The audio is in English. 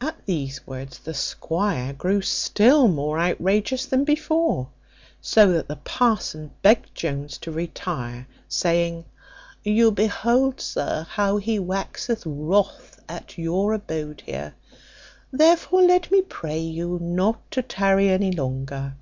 At these words the squire grew still more outrageous than before; so that the parson begged Jones to retire; saying, "You behold, sir, how he waxeth wrath at your abode here; therefore let me pray you not to tarry any longer.